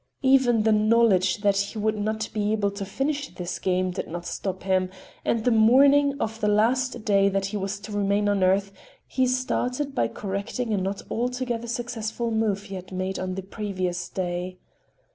Even the knowledge that he would not be able to finish this game, did not stop him; and the morning of the last day that he was to remain on earth he started by correcting a not altogether successful move he had made on the previous day.